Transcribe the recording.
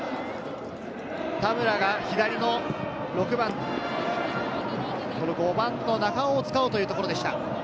田村が左の５番の中尾を使おうというところでした。